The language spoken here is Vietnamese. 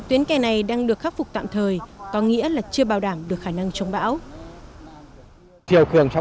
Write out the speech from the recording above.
tuyến kè này đang được khắc phục tạm thời có nghĩa là chưa bảo đảm được khả năng chống bão